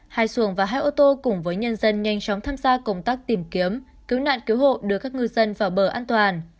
hai xuồng và hai ô tô cùng với nhân dân nhanh chóng tham gia công tác tìm kiếm cứu nạn cứu hộ đưa các ngư dân vào bờ an toàn